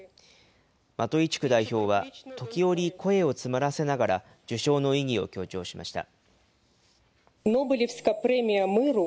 マトイチュク代表は時折声を詰まらせながら、受賞の意義を強調しました。